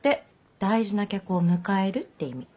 大事な客を迎えるって意味。